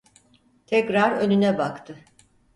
Tekrar önüne baktı.